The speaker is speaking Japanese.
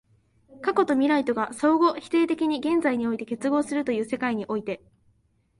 過去と未来とが相互否定的に現在において結合するという世界において、